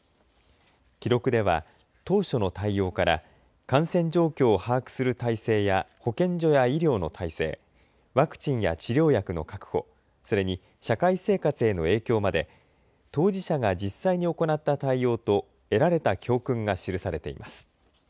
記録では当初の対応から感染状況を把握する体制や保健所や医療の体制、ワクチンや治療薬の確保、それに社会生活への影響まで当事者が実際に行った対応と得られた教訓が記されています。